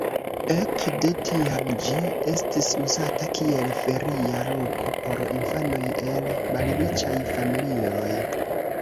Ek de tiam ĝi estis uzata kiel feria loko por infanoj el malriĉaj familioj.